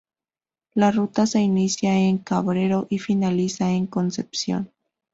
La ruta se inicia en Cabrero, y finaliza en Concepción.